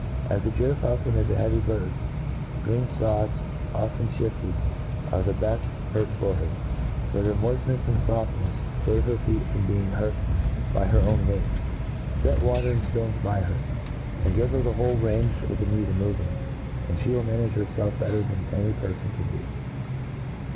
As the gyf faulcon is a heavy bird, gr^en fods, often fliift ed, are the beft perch for her j for their moift nefs and foftnefs fave her feet from being hurt by her own weight. Set water and ftones by her, and give her the whole range of the mew to move in } and flie wilt manage herfelf better than any perfon can do.